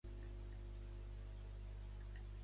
El nom del base, "Waterkloof", és afrikaans.